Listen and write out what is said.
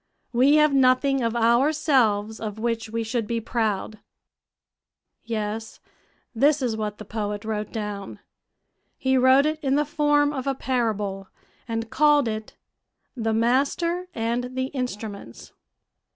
We have nothing of ourselves of which we should be proud." Yes, this is what the poet wrote down. He wrote it in the form of a parable, and called it "The Master and the Instruments."